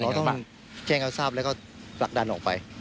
เราต้องแจ้งเขาทราบแล้วก็ผลักดันออกไป